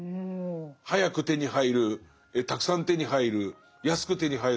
早く手に入るたくさん手に入る安く手に入るみたいのが。